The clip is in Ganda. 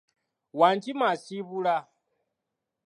Wankima asiibula!